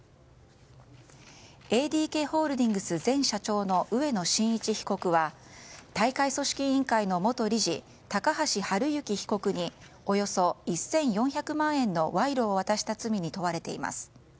ＡＤＫホールディングス前社長の植野伸一被告は大会組織委員会の元理事高橋治之被告におよそ１４００万円の賄賂を渡した罪に問われています。